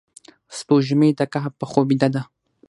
سپوږمۍ د کهف په خوب بیده ده